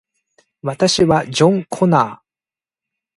私はジョン・コナー